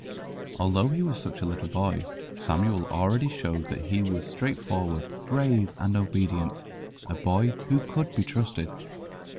Although he was such a little boy, Samuel already showed that he was straightforward, brave, and obedient, a boy who could be trusted.